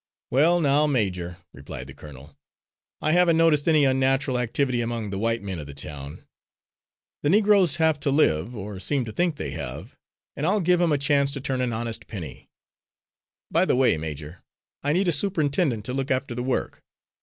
"Well, now, major," replied the colonel, "I haven't noticed any unnatural activity among the white men of the town. The Negroes have to live, or seem to think they have, and I'll give 'em a chance to turn an honest penny. By the way, major, I need a superintendent to look after the work.